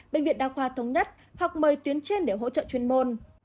bệnh viện đa khoa thống nhất học mời tuyến trên để hỗ trợ chuyên môn